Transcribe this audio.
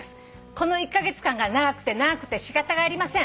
「この１カ月間が長くて長くて仕方がありません」